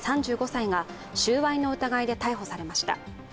３５歳が収賄の疑いで逮捕されました。